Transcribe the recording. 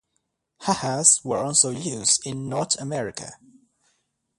Ha-has were also used in North America.